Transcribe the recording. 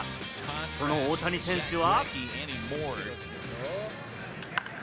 その大谷選手は。